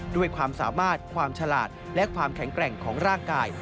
ด้วยความสามารถความฉลาดและความแข็งแกร่งของร่างกาย